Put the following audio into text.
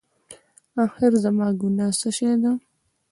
اخېر زما ګناه څه شی ده؟